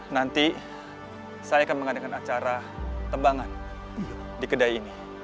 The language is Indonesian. nanti saya akan mengadakan acara tebangan di kedai ini